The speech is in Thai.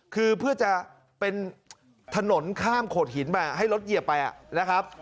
คือเพื่อจะเป็นถนนข้ามโขดหินมาให้รถเหยียบไปนะครับ